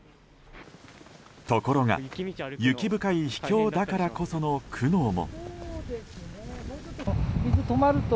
ところが雪深い秘境だからこその苦悩も。